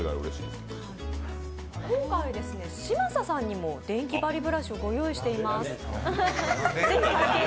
今回、嶋佐さんにもデンキバリブラシをご用意しています。